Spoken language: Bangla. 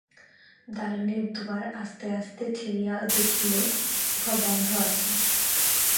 দালানের দুয়ার আস্তে আস্তে ঠেলিয়া দেখিল উহা বন্ধ আছে।